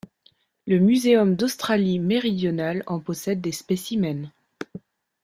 Le muséum d'Australie-Méridionale en possède des spécimens.